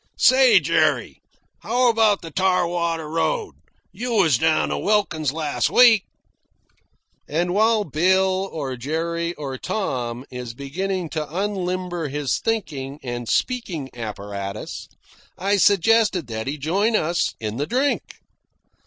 "Say, Jerry, how about the Tarwater road? You was down to Wilkins last week." And while Bill or Jerry or Tom is beginning to unlimber his thinking and speaking apparatus, I suggest that he join us in the drink.